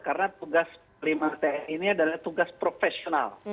karena tugas panglima tni ini adalah tugas profesional